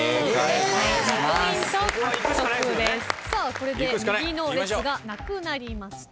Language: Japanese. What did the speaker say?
これで右の列がなくなりました。